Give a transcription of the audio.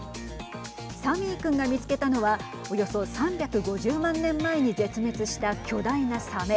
サミー君が見つけたのはおよそ３５０万年前に絶滅した巨大なサメ。